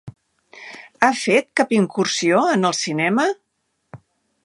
Ha fet cap incursió en el cinema?